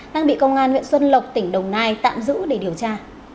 đang bị công an huyện xuân lộc tỉnh đồng nai tạm giữ để điều tra